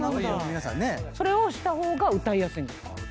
それをした方が歌いやすいんですか？